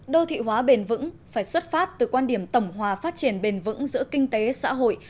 đô thị hóa bền vững phải xuất phát từ quan điểm tổng hòa phát triển bền vững giữa kinh tế xã hội